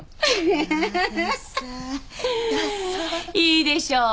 いいでしょう。